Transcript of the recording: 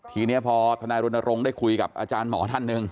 ทีนี้พอทนายรณรงค์ได้คุยกับอาจารย์หมอท่านหนึ่ง